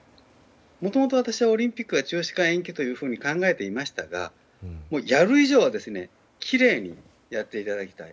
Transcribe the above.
もともと、私はオリンピックは中止か延期と考えていましたがもう、やる以上はきれいにやっていただきたい。